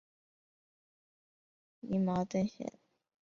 拟毛灯藓为提灯藓科毛灯藓属下的一个种。